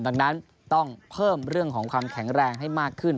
ดังนั้นต้องเพิ่มเรื่องของความแข็งแรงให้มากขึ้น